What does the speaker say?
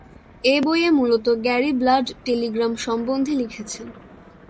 এ বই এ মূলত গ্যারি ব্লাড টেলিগ্রাম সম্বন্ধে লিখেছেন।